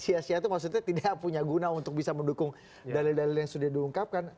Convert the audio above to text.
sia sia itu maksudnya tidak punya guna untuk bisa mendukung dalil dalil yang sudah diungkapkan